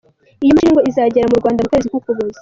Iyo mashni ngo izagera mu Rwanda mu kwezi ku Kuboza.